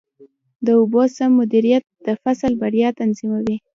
د اوبو سم مدیریت د فصل بریا تضمینوي.